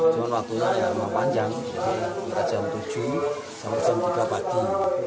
cuma waktunya memang panjang jadi jam tujuh sampai jam tiga pagi